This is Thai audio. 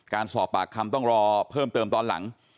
การสอบปากคำต้องรอเพิ่มเติมตอนหลัง